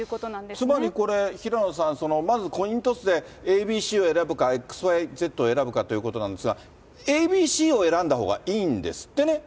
つまりこれ、平野さん、まずコイントスでＡＢＣを選ぶか、ＸＹＺを選ぶかということなんですが、ＡＢＣを選んだ方がいいんですってね。